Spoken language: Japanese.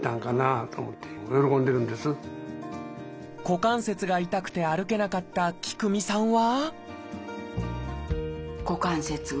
股関節が痛くて歩けなかった喜久美さんは？